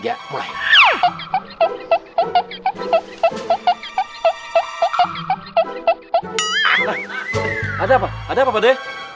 ada apa ada apa pade